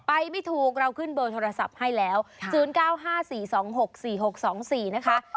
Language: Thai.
ไม่ถูกเราขึ้นเบอร์โทรศัพท์ให้แล้ว๐๙๕๔๒๖๔๖๒๔นะคะ